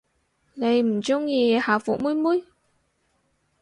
你唔鍾意校服妹妹？